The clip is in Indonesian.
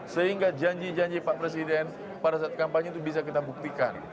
sehingga janji janji pak presiden pada saat kampanye itu bisa kita buktikan